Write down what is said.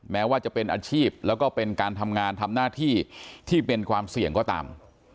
แม้ว่าจะเป็นอาชีพแล้วก็เป็นการทำงานทำหน้าที่ที่เป็นความเสี่ยงก็ตาม